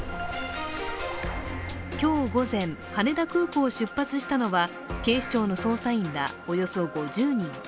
今日午前、羽田空港を出発したのは警視庁の捜査員らおよそ５０人。